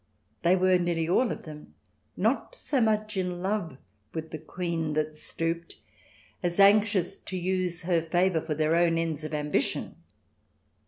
They were, nearly all of them, not so much in love with the Queen that stooped, as anxious to use her favour for their own ends of ambition.